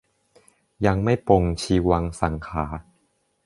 ยังไม่ปลงชีวังสังขาร์